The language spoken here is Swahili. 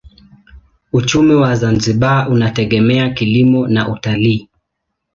Uchumi wa Zanzibar unategemea kilimo na utalii.